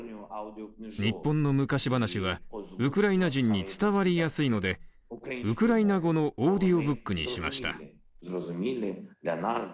日本の昔話はウクライナ人に伝わりやすいのでウクライナ語のオーディオブックにしました。